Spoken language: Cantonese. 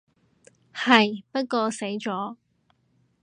係，不過死咗